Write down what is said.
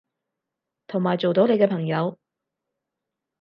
同埋做到你嘅朋友